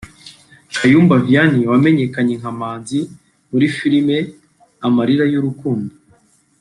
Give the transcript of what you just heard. Kayumba Vianney wamenyekanye nka Manzi muri filime Amarira y’urukundo